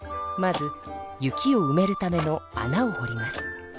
まず雪をうめるためのあなをほります。